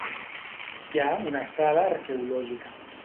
Hi ha una sala arqueològica.